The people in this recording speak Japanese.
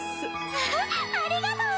わぁありがとう！